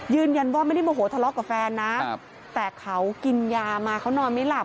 ยืนยันว่าไม่ได้โมโหทะเลาะกับแฟนนะแต่เขากินยามาเขานอนไม่หลับ